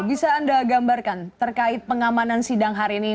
bisa anda gambarkan terkait pengamanan sidang hari ini